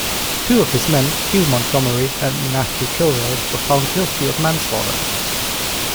Two of his men, Hugh Montgomery and Matthew Kilroy, were found guilty of manslaughter.